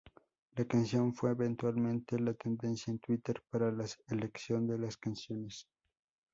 La canción fue eventualmente la tendencia en Twitter para la elección de las canciones.